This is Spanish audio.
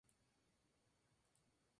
Otro Que Despierta...